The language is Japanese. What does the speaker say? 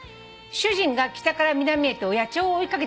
「主人が北から南へと野鳥を追い掛けて撮ったものです」